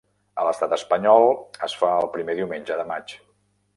A l'Estat Espanyol es fa el primer diumenge de maig.